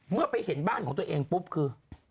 เมื่อไปเห็นบ้านของตัวเองปุ๊บคือ